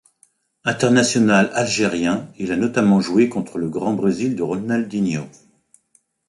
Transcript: International algérien, il a notamment joué contre le grand Brésil de Ronaldinho.